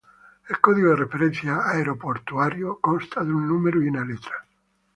El código de referencia aeroportuario consta de un número y una letra.